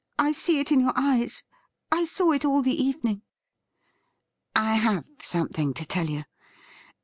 I see it in your eyes ; I saw it all the evening.' ' I have something to tell you.